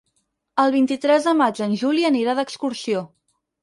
El vint-i-tres de maig en Juli anirà d'excursió.